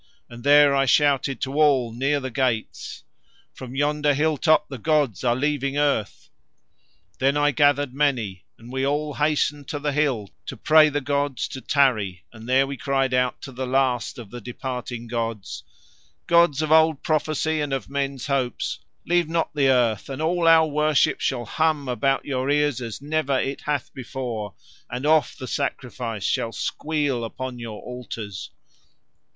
And there I shouted to all near the gates: 'From yonder hilltop the gods are leaving earth.' Then I gathered many, and we all hastened to the hill to pray the gods to tarry, and there we cried out to the last of the departing gods: 'Gods of old prophecy and of men's hopes, leave not the earth, and all our worship shall hum about Your ears as never it hath before, and oft the sacrifice shall squeal upon Your altars.